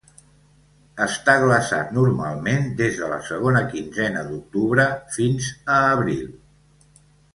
Està glaçat normalment des de la segona quinzena d'octubre fins a abril.